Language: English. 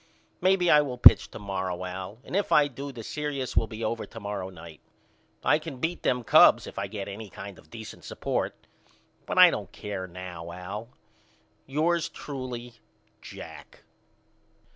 Maybe I will pitch to morrow Al and if I do the serious will be over to morrow night. I can beat them Cubs if I get any kind of decent support. But I don't care now Al. Yours truly, JACK.